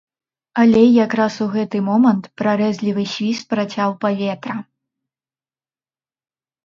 Але якраз у гэты момант прарэзлівы свіст працяў паветра.